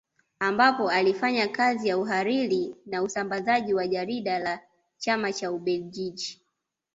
Ambapo alifanya kazi ya uhariri na usambazaji wa jarida la Chama cha Ubeljiji